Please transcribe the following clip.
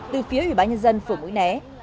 từ phía ủy ban nhân dân phủ mũi né